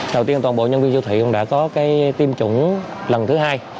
đầu tiên toàn bộ nhân viên siêu thị cũng đã có tiêm chủng lần thứ hai